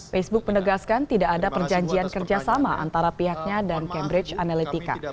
facebook menegaskan tidak ada perjanjian kerjasama antara pihaknya dan cambridge analytica